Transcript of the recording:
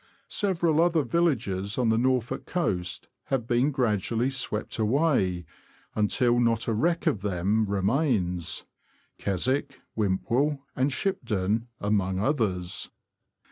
Several other villages on the Norfolk coast have been gradually swept away, until not a wreck of them remains — Keswick, Whimpwell, and Shipden, among others.